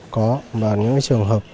có và những trường hợp